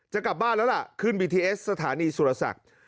จะกลับบ้านแล้วล่ะขึ้นบีทีเอสสถานีสุรศักดิ์